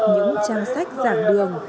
những trang sách giảng đường